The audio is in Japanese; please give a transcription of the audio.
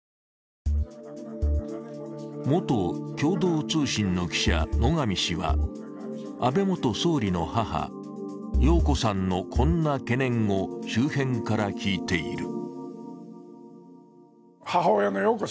元共同通信の記者野上氏は、安倍元総理の母、洋子さんのこんな懸念を周辺から聞いている。